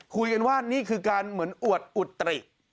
คุยกันว่านี่คือการเหมือนอวดอุตริ